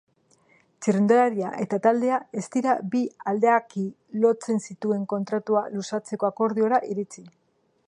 Txirrindularia eta taldea ez dira bi aldeaki lotzen zituen kontratua luzatzeko akordiora iritsi.